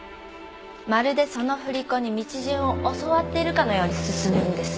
まるでその振り子に道順を教わっているかのように進むんです。